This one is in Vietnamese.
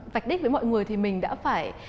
vạch đích với mọi người thì mình đã phải